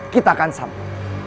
kita akan sampai